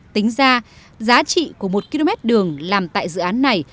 tính ra giá trị của một km đường làm tại dự án này